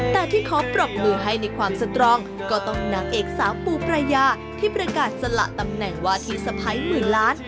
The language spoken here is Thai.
แต่ที่ขอปรบมือให้ในความสตรองก็ต้องนางเอกสาวปูปรายาที่ประกาศสละตำแหน่งวาทีสะพ้ายหมื่นล้าน